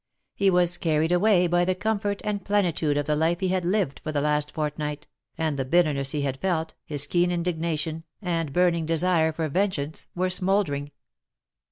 He was carried away by the comfort and pleni tude of the life he had lived for the last fortnight, and the bitterness he had felt, his keen indignation, and burning desire for vengeance were smouldering.